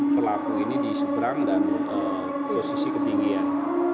pelaku ini diseberang dan posisi ketinggian